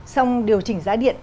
xong điều chỉnh giá điện